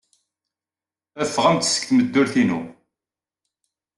Ffɣemt seg tmeddurt-inu.